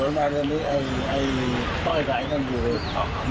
ก็ไม่ได้ยืนเลยเพราะต้อยคนอกงวดมาเขาร่งรถเขียนด้วย